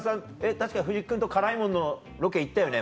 確か藤木君と辛いもののロケ行ったよね